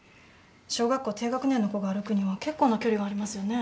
小学校低学年の子が歩くには結構な距離がありますよね。